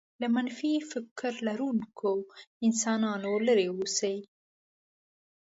له منفي فکر لرونکو انسانانو لرې اوسېږئ.